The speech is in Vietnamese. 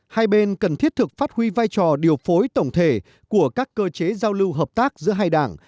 hai bên cần thiết thực phát huy vai trò điều phối tổng thể của các cơ chế giao lưu hợp tác giữa hai đảng